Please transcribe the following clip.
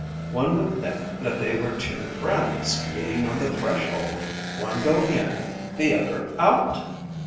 One would think that they were two friends meeting on the threshold, one going in, the other out!